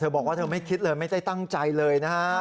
บอกว่าเธอไม่คิดเลยไม่ได้ตั้งใจเลยนะฮะ